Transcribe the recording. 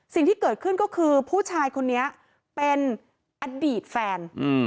สิ่งที่เกิดขึ้นก็คือผู้ชายคนนี้เป็นอดีตแฟน